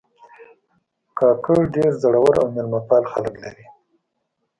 کاکړ ډېر زړور او میلمهپال خلک لري.